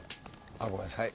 あっごめんなさい。